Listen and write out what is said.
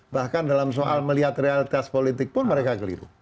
bahkan dalam soal melihat realitas politik pun mereka keliru